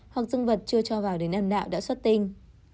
hoặc dương vật chưa cho vào đến âm đạo đã xuất tinh